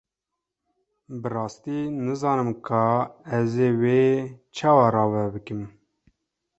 Bi rastî nizanim ka ez ê wê çawa rave bikim.